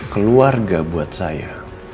keluarga buat saya